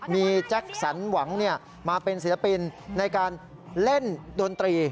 มีแจ็คสันหวังมาเป็นศิลปินในการเล่นดนตรี